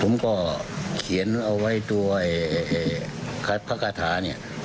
ผมก็เขียนเอาไว้ตัวพระคาถาเนี่ย